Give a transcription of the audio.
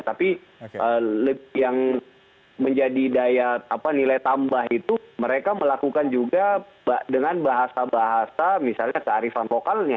tapi yang menjadi nilai tambah itu mereka melakukan juga dengan bahasa bahasa misalnya kearifan lokalnya